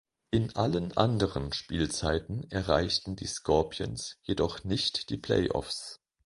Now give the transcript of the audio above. In allen anderen Spielzeiten erreichten die Scorpions jedoch nicht die Playoffs.